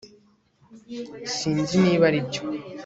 Sinzi niba aribyo